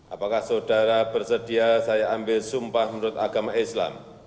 apakah saudara bersedia saya ambil sumpah menurut agama islam